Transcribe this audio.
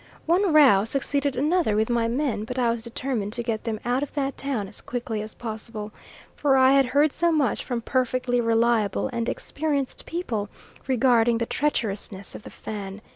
One row succeeded another with my men; but I was determined to get them out of that town as quickly as possible, for I had heard so much from perfectly reliable and experienced people regarding the treacherousness of the Fan.